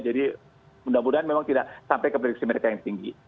jadi mudah mudahan memang tidak sampai ke prediksi mereka yang tinggi